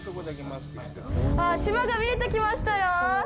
あっ、島が見えてきましたよ！